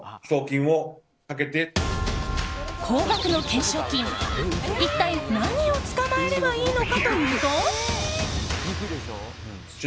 高額の懸賞金、一体何を捕まえればいいのかというと。